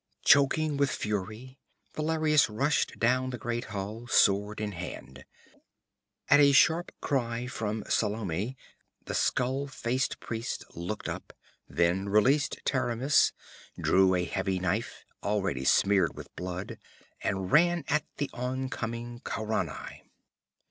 Choking with fury, Valerius rushed down the great hall, sword in hand. At a sharp cry from Salome, the skull faced priest looked up, then released Taramis, drew a heavy knife, already smeared with blood, and ran at the oncoming Khaurani.